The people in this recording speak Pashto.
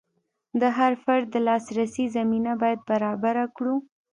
د هر فرد د لاسرسي زمینه باید برابره کړو.